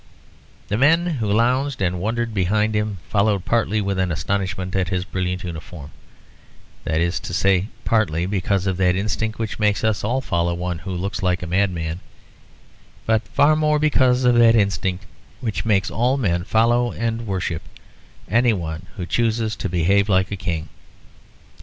The men who lounged and wondered behind him followed partly with an astonishment at his brilliant uniform, that is to say, partly because of that instinct which makes us all follow one who looks like a madman, but far more because of that instinct which makes all men follow (and worship) any one who chooses to behave like a king.